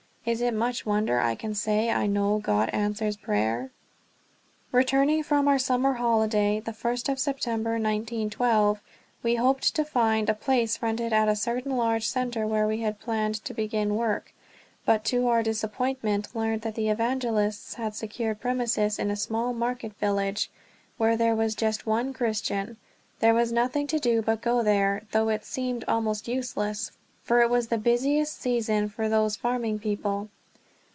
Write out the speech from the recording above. Is it much wonder I can say I know God answers prayer? Returning from our summer holiday the first of September, 1912, we hoped to find a place rented at a certain large center where we had planned to begin work; but to our disappointment learned that the evangelists had secured premises in a small market village, where there was just one Christian. There was nothing to do but to go there, though it seemed almost useless, for it was the busiest season for those farming people.